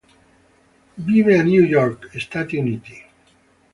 Vive a New York, Stati Uniti.